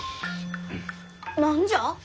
何じゃ？